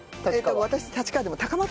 私立川でも高松町の方